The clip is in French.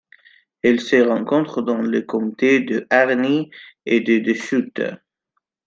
Elle se rencontre dans les comtés de Harney et de Deschutes.